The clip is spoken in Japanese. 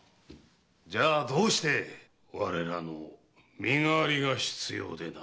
じゃあどうして⁉我らの身代わりが必要でな。